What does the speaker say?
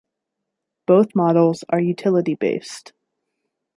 Both models are utility-based.